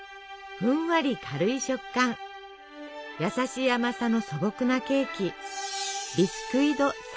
ふんわり軽い食感やさしい甘さの素朴なケーキ。